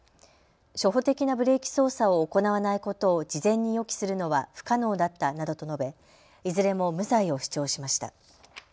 初歩的なブレーキ操作を行わないことを事前に予期するのは不可能だったなどと述べいずれも無罪を主張しました。